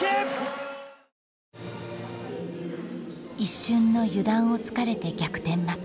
一瞬の油断をつかれて逆転負け。